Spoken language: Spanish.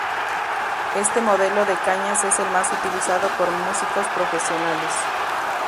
Este modelo de cañas es el más utilizado por músicos profesionales.